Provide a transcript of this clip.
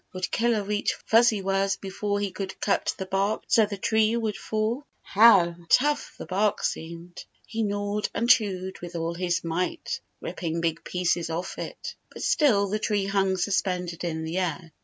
Would Killer reach Fuzzy Wuzz be fore he could cut the bark so the tree would fall? How tough the bark seemed! He gnawed and chewed with all his might, ripping big pieces off it. But still the tree hung suspended in the air.